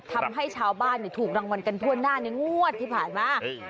ทำให้ชาวบ้านถูกรางวัลกันทั่วหน้าในงวดที่ผ่านมา